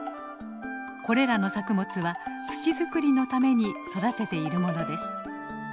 これらの作物は土作りのために育てているものです。